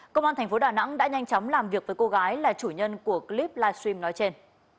công an tp đà nẵng đã nhanh chóng làm việc với cô gái là chủ nhân của clip livestream nói trên